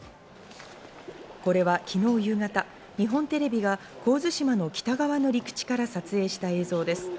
これは昨日夕方、日本テレビが神津島の北側の陸地から撮影した映像です。